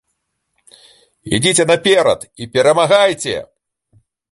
Ідзіце наперад і перамагайце!